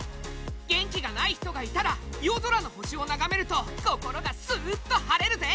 元気がない人がいたら夜空の星を眺めると心がスーッと晴れるぜ！